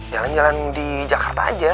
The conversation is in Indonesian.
jalan jalan di jakarta aja